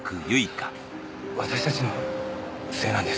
私たちのせいなんです。